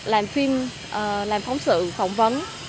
làm phim làm phóng sự phỏng vấn